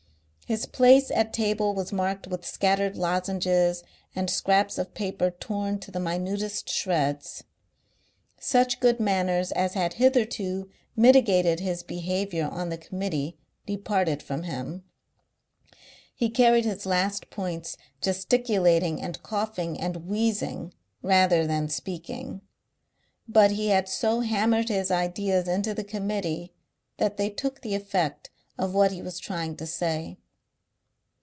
His place at table was marked with scattered lozenges and scraps of paper torn to the minutest shreds. Such good manners as had hitherto mitigated his behaviour on the Committee departed from him, He carried his last points, gesticulating and coughing and wheezing rather than speaking. But he had so hammered his ideas into the Committee that they took the effect of what he was trying to say.